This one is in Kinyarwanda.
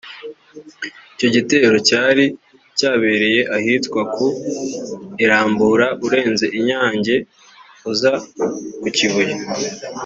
icyo gitero cyari cyabereye ahitwa ku i Rambura urenze i Nyange uza ku Kibuye